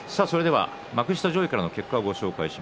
幕下上位の結果です。